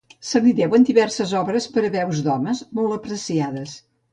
Se li deuen diverses obres per a veus d'homes, molt apreciades.